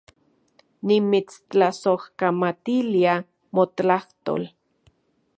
Nimitstlasojkamatilia motlajtol